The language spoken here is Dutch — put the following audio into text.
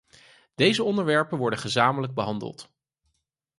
Deze onderwerpen worden gezamenlijk behandeld.